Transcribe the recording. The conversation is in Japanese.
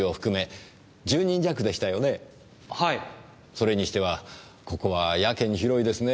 それにしてはここはやけに広いですね。